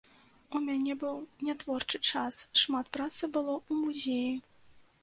У мяне быў не творчы час, шмат працы было ў музеі.